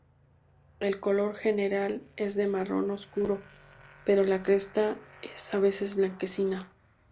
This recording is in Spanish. El color general es de marrón oscuro, pero la cresta es a veces blanquecina.